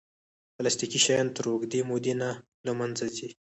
پلاستيکي شیان تر اوږدې مودې نه له منځه ځي.